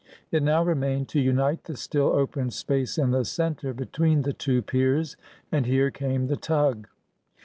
It now remained to unite the still open space in the center, between the two "piers," and here came the tug.